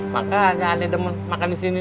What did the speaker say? makan hanya aneh demen makan disini nih